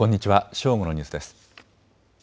正午のニュースです。